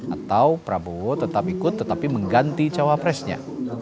atau prabowo tetap ikut tetapi mengganti cawapresnya